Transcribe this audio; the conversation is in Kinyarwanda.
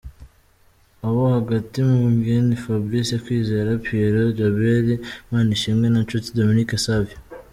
Abo hagati: Mugheni Fabrice, Kwizera Pierrot, Djabel Imanishimwe na Nshuti Dominique Savio.